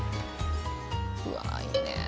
うわいいね。